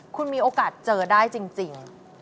คุณมีโอกาสเจอได้จริง